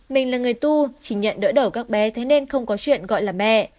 mình là người tu chỉ nhận đỡ đầu các bé thế nên không có chuyện gọi là mẹ